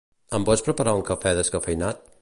Em pots preparar un cafè descafeïnat?